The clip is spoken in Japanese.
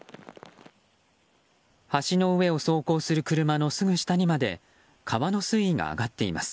橋の上を走行する車のすぐ下にまで川の水位が上がっています。